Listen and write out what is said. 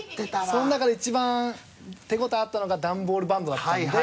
その中で一番手応えあったのが段ボールバンドだったので。